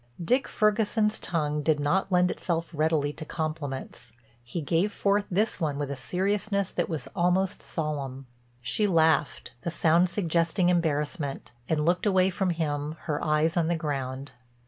Dick Ferguson's tongue did not lend itself readily to compliments. He gave forth this one with a seriousness that was almost solemn. She laughed, the sound suggesting embarrassment, and looked away from him her eyes on the ground.